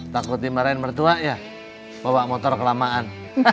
takut dimarahin mertua ya bawa motor kelamaan